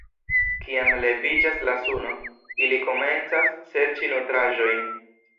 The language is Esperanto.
Kiam leviĝas la suno, ili komencas serĉi nutraĵojn.